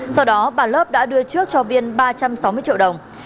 sau đó bà lớp đã đưa trước cho viên ba trăm sáu mươi triệu đồng